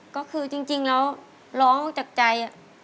ก็คือจริงแล้วร้องจากใจ